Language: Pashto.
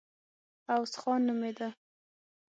عوض خان نومېده.